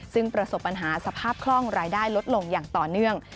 ซึ่งประสบปัญหาสภาพคล่องรายได้ลดลงอย่างต่อเนื่อง